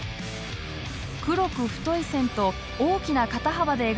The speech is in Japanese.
黒く太い線と大きな肩幅で描かれた女性。